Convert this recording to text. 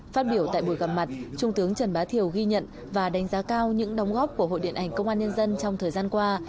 phát biểu tại buổi gặp mặt trung tướng trần bá thiểu ghi nhận và đánh giá cao những đóng góp của hội điện ảnh công an nhân dân trong thời gian qua